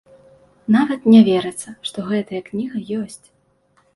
Нават не верыцца, што гэтая кніга ёсць.